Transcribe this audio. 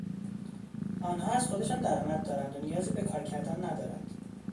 آنها از خودشان درآمد دارند و نیازی به کار کردن ندارند.